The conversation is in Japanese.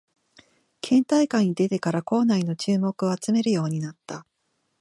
県大会に出てから校内の注目を集めるようになった